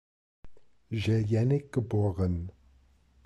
Jellinek geboren.